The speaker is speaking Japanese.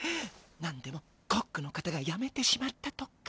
なんでもコックの方がやめてしまったとか。